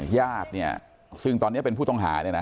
ญาติเนี่ยซึ่งตอนนี้เป็นผู้ต้องหาเนี่ยนะ